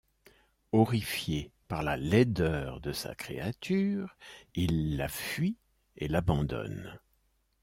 Horrifié par la laideur de sa créature, il la fuit et l'abandonne.